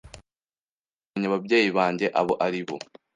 Ndashaka kumenya ababyeyi banjye abo ari bo.